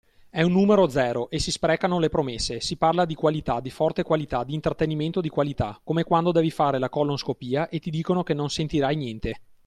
È un numero zero e si sprecano le promesse, si parla di qualità, di forte qualità, di intrattenimento di qualità, come quando devi fare la colonscopia e ti dicono che non sentirai niente.